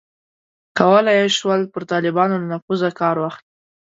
کولای یې شول پر طالبانو له نفوذه کار واخلي.